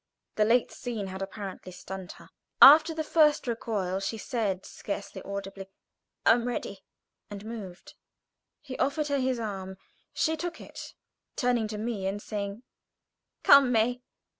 The late scene had apparently stunned her. After the first recoil she said, scarcely audibly, "I am ready," and moved. He offered her his arm; she took it, turning to me and saying, "Come, May!"